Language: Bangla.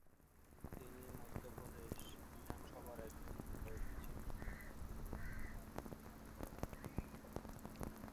তিনি মধ্যপ্রদেশ বিধানসভার একজন বিধায়ক ছিলেন।